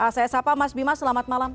saya sapa mas bima selamat malam